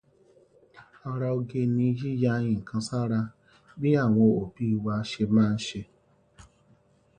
Ara oge ni yíya nǹkan sára, bí àwọn òbí wa ṣe máa ń ṣe.